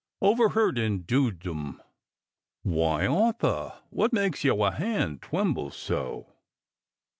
OVERHEARD IN DUDEDOM. "Why, Awthaw, what makes youah hand twemble so?"